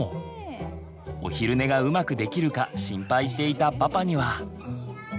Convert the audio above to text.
お昼寝がうまくできるか心配していたパパには。